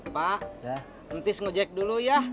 pak entis ngejek dulu ya